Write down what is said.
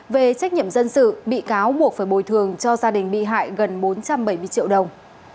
về trách nhiệm dân sự bị cáo buộc phải bồi thường cho gia đình bị hại gần bốn trăm bảy mươi triệu đồng